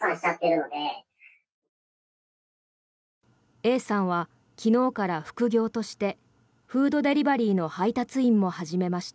Ａさんは、昨日から副業としてフードデリバリーの配達員も始めました。